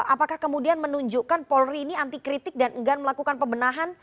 apakah kemudian menunjukkan polri ini anti kritik dan enggan melakukan pembenahan